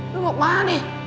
lo mau kemana deh